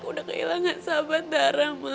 dara udah kehilangan sahabat dara ma